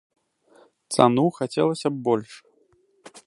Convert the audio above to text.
Цану хацелася б больш.